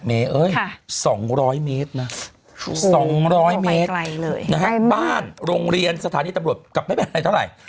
เอ้ย๒๐๐เมตรนะ๒๐๐เมตรบ้านโรงเรียนสถานีตำรวจกลับไม่เป็นไรเท่าไหร่